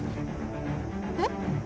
えっ？